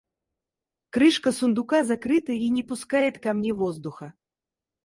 Крышка сундука закрыта и не пускает ко мне воздуха.